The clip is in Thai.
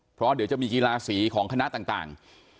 เพราะเดี๋ยวจะมีกีฬาสีของคณะต่าง